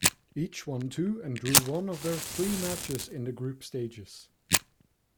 Each won two and drew one of their three matches in the group stages.